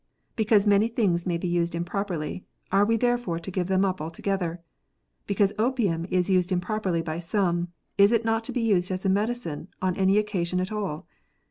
Because many things may be used improperly, are we therefore to give them up. altogether? Because opium is used improperly by some, is it not to be used as a medicine on any occasion at all